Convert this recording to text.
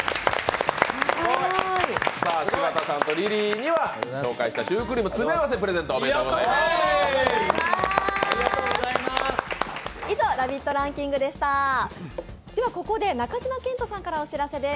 柴田さんとリリーには紹介したシュークリームの詰め合わせプレゼントします。